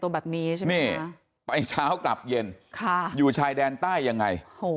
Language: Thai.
ไปเช้ากลับเย็นอยู่ชายแดนใต้ยังไง